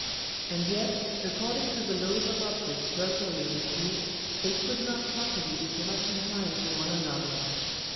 And yet according to the Laws of Opticks vulgarly received, they could not possibly be so much inclined to one another.